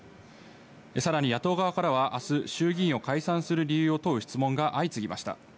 さらに野党側からはあす、衆議院を解散する理由を問う質問が相次ぎました。